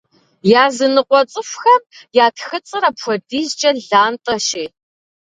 Языныкъуэ цӏыхухэм я тхыцӏэр апхуэдизкӏэ лантӏэщи.